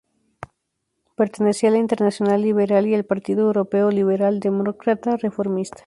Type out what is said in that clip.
Pertenecía a la Internacional Liberal y al Partido Europeo Liberal Demócrata Reformista.